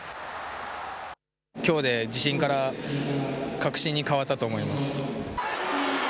きょうで自信から確信に変わったと思います。